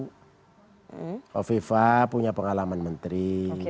kofi fa punya pengalaman menteri